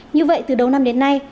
như vậy từ đầu năm đến nay